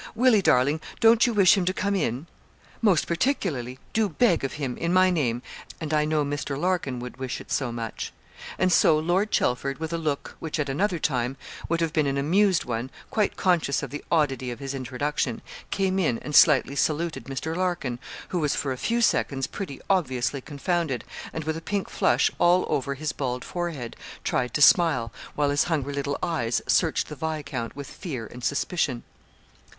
Willie, darling, don't you wish him to come in?' 'Most particularly. Do beg of him, in my name and I know Mr. Larkin would wish it so much.' And so Lord Chelford, with a look which, at another time, would have been an amused one, quite conscious of the oddity of his introduction, came in and slightly saluted Mr. Larkin, who was for a few seconds pretty obviously confounded, and with a pink flush all over his bald forehead, tried to smile, while his hungry little eyes searched the viscount with fear and suspicion.